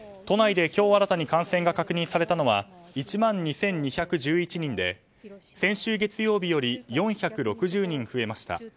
都内で今日新たに感染が確認されたのは１万２２１１人で先週月曜日より４６０人増えました。